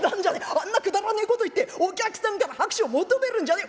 あんなくだらねえこと言ってお客さんから拍手を求めるんじゃねえ。